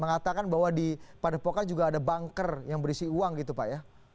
mengatakan bahwa di padepokan juga ada banker yang berisi uang gitu pak ya